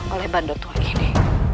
oleh bandotua ini